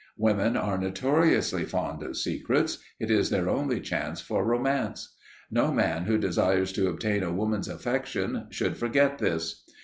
Women are notoriously fond of secrets; it is their only chance for romance. No man who desires to obtain a woman's affection should forget this.